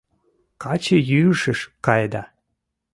— Качыйӱышыш каеда.